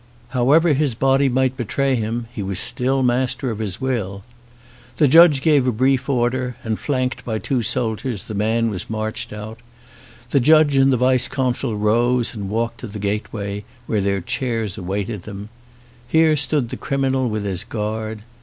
However his body might be 227 OX A CHINESE SCEEEN tray him he was still master of his will. The judge gave a brief order, and, flanked by his two soldiers, the man marched out. The judge and the vice consul rose and walked to the gateway, where their chairs awaited them. Here stood the criminal with his guard.